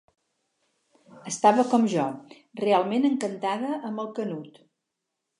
Estava com jo, realment encantada amb el Canut.